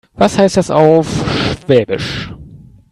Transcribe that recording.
Was heißt das auf Schwäbisch?